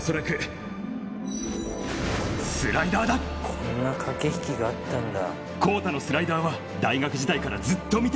こんな駆け引きがあったんだ。